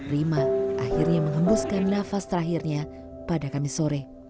rima akhirnya mengembuskan nafas terakhirnya pada kamis sore